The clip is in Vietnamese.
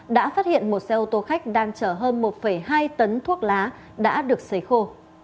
đã phát hiện một xe ô tô khách đang chở hơn một hai tấn thuốc lá đã được xấy khô